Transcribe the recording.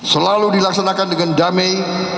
selalu dilaksanakan dengan damai